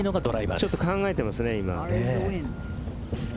ちょっと今考えてますね。